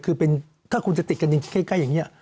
คือเป็นถ้าคุณจะติดกระดิ่งใกล้อย่างนี้